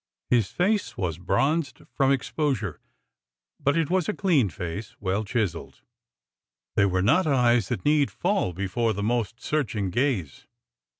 His face was bronzed from exposure, but it was a clean face, well chiseled. They were not eyes that need fall before the most searching gaze.